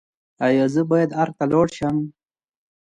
ایا زه باید ارګ ته لاړ شم؟